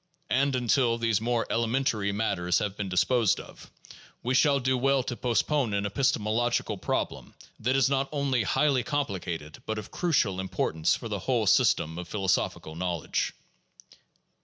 And until these more elementary matters have been disposed of we shall do well to postpone an epistemological problem that is not only highly complicated but of crucial importance for the whole system of philosophical knowledge.